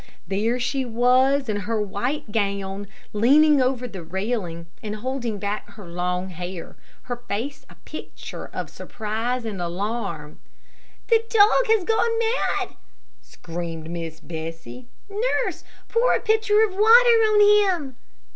There she was, in her white gown, leaning over the railing, and holding back her long hair, her face a picture of surprise and alarm. "The dog has gone mad," screamed Miss Bessie. "Nurse, pour a pitcher of water on him."